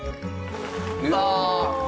うわ！